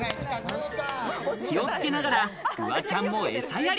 気をつけながらフワちゃんもエサやり。